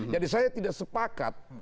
jadi saya tidak sepakat